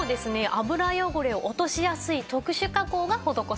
油汚れを落としやすい特殊加工が施されています。